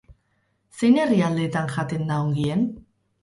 Zein herrialdeetan jaten da ongien?